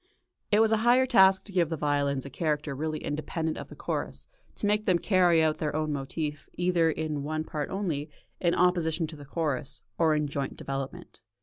It was a higher task to give the violins a character really independent of the chorus to make them carry out their own motif either in one part only, in opposition to the chorus, or in joint development.